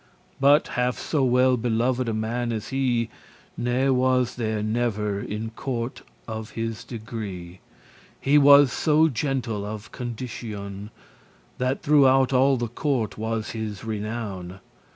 But half so well belov'd a man as he Ne was there never in court of his degree. He was so gentle of conditioun, That throughout all the court was his renown.